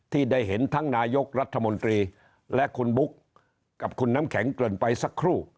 ที่ได้เห็นทั้งนายกรัฐมนตรีและคุณบุ๊คกับคุณน้ำแข็งเกริ่นไปสักครู่